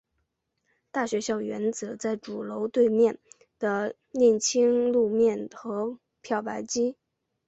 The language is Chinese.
大学校园则在主楼对面有沥青路面和漂白机。